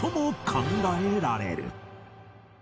考えられる